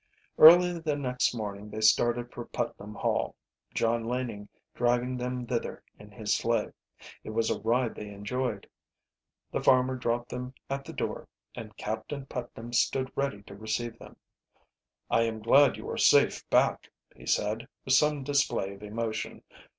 Early the next morning they started for Putnam Hall, John Laning driving them thither in his sleigh. It was a ride they enjoyed. The farmer dropped them at the door, and Captain Putnam stood ready to receive them. "I am glad you are safe back," he said, with some display of emotion.